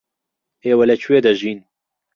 ئێوە لەکوێ دەژین؟